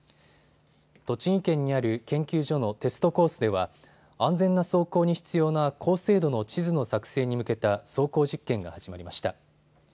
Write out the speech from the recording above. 栃木県にある研究所のテストコースでは安全な走行に必要な高精度の地図の作成に向けた走行実験が始まりました。